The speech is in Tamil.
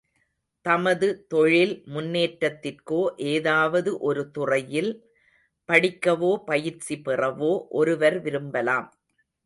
தமது தொழில் முன்னேற்றத்திற்கோ ஏதாவது ஒரு துறையில், படிக்கவோ பயிற்சி பெறவோ ஒருவர் விரும்பலாம்.